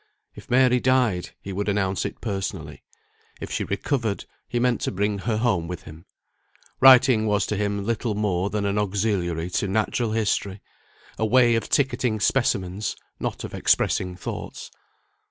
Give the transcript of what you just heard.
If Mary died, he would announce it personally; if she recovered, he meant to bring her home with him. Writing was to him little more than an auxiliary to natural history; a way of ticketing specimens, not of expressing thoughts.